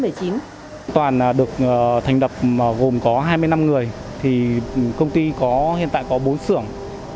bắc tổ an toàn được thành lập gồm có hai mươi năm người công ty hiện tại có bốn xưởng